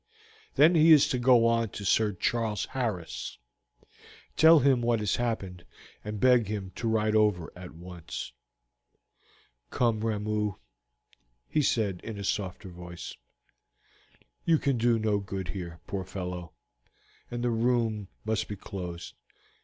Then he is to go on to Sir Charles Harris, tell him what has happened, and beg him to ride over at once. "Come, Ramoo," he said in a softer voice, "you can do no good here, poor fellow, and the room must be closed.